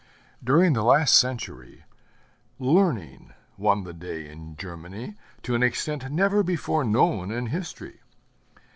During the last century, Learning won the day in Germany to an extent never before known in history.